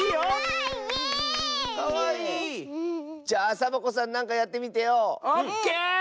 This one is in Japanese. じゃあサボ子さんなんかやってみてよ。